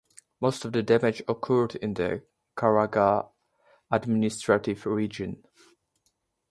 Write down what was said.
Most of the damage occurred in the Caraga Administrative Region.